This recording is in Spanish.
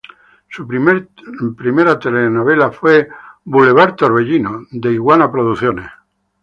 Su primera telenovela fue "Boulevard Torbellino", de Iguana Producciones.